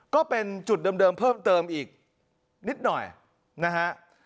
ก็เป็นจุดเดิมเพิ่มเติมอีกนิดหน่อยนะฮะ